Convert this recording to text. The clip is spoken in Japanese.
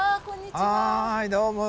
はいどうも。